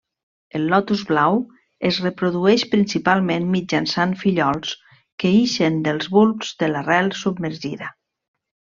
El lotus blau es reprodueix principalment mitjançant fillols que ixen dels bulbs de l'arrel submergida.